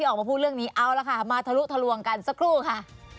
ออกมาพูดเรื่องนี้เอาละค่ะมาทะลุทะลวงกันสักครู่ค่ะ